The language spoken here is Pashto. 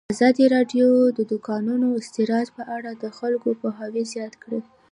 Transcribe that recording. ازادي راډیو د د کانونو استخراج په اړه د خلکو پوهاوی زیات کړی.